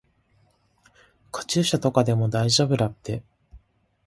カチューシャとかでも大丈夫だって。